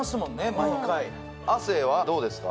毎回亜生はどうですか？